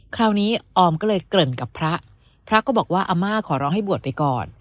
คราวนี้ออมก็เลยเกริ่นกับพระพระก็บอกว่าอาม่าขอร้องให้บวชไปก่อน